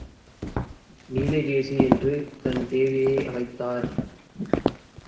நீலகேசி என்று தன் தேவியை அழைத்தார்.